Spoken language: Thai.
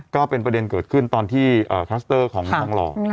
ก็เป็นประเด็นเกิดขึ้นตอนที่คลัสเตอร์ของทองหล่อ